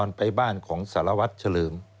สวัสดีครับคุณผู้ชมค่ะต้อนรับเข้าที่วิทยาลัยศาสตร์